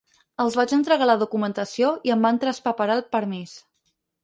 Els vaig entregar la documentació i em van traspaperar el permís.